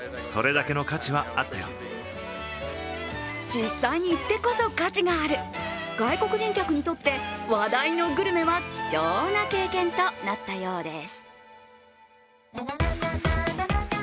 実際に行ってこそ価値がある、外国人客にとって話題のグルメは貴重な経験となったようです。